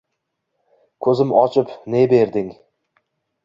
Ko’zim ochib, ne berding?